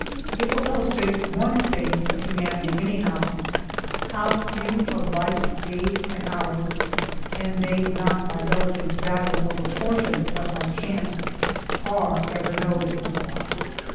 It will illustrate one phase of humanity anyhow; how few of life's days and hours (and they not by relative value or proportion, but by chance) are ever noted.